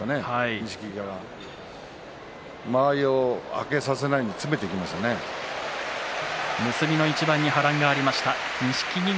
錦木から間合いをあけさせないように結びの一番に波乱がありました。